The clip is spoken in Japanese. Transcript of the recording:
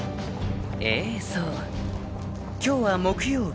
［ええそう今日は木曜日］